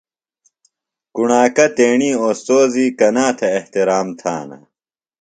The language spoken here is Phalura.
کُݨاکہ تیݨی اوستوذی کنا تھےۡ احترام تھانہ؟